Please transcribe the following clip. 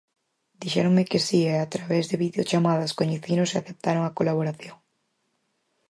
Dixéronme que si e a través de videochamadas coñecinos e aceptaron a colaboración.